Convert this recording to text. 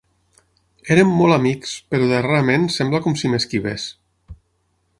Érem molt amics, però darrerament sembla com si m'esquivés.